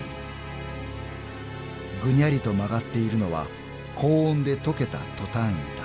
［ぐにゃりと曲がっているのは高温で溶けた］